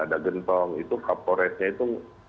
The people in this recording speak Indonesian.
ada gentong itu kapolresnya itu